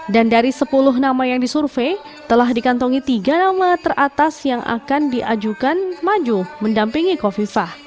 dan dari sepuluh nama yang disurvei telah dikantongi tiga nama teratas yang akan diajukan maju mendampingi kofifah